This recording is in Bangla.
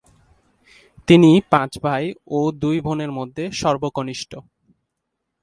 তিনি পাঁচ ভাই ও দুই বোনের মধ্যে সর্বকনিষ্ঠ।